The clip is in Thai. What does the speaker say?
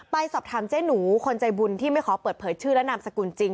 ไปสอบถามเจ๊หนูคนใจบุญที่ไม่ขอเปิดเผยชื่อและนามสกุลจริง